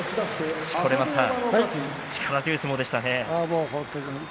錣山さん、力強い相撲でしたね。